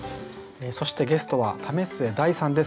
そしてゲストは為末大さんです。